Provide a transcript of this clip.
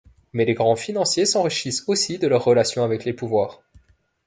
Mais les grands financiers s'enrichissent aussi de leurs relations avec les pouvoirs.